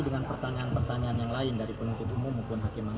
dengan pertanyaan pertanyaan yang lain dari penunjuk umum mumpun hakim anggota engkundur